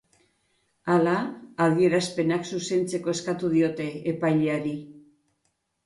Hala, adierazpenak zuzentzeko eskatu diote epaileari.